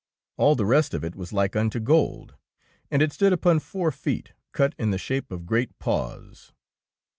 All the rest of it was like unto gold, and it stood upon four feet cut in the shape of great paws.